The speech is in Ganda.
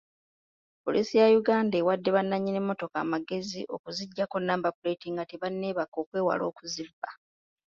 Poliisi ya Uganda ewadde bannanyini mmotoka amagezi okuzijjako namba puleti nga tebanneebaka okwewala okuzibba.